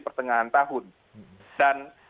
pertengahan tahun dan